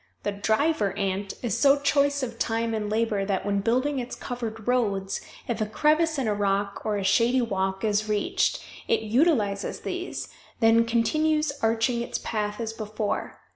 The "Driver Ant" is so choice of time and labor that, when building its covered roads, if a crevice in a rock or a shady walk is reached, it utilizes these, then continues arching its path as before.